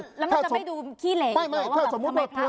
แล้วมันจะไม่ดูขี้แหล่อีกหรอว่าถ้าไม่พระออกมา